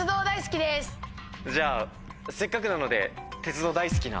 じゃあせっかくなので。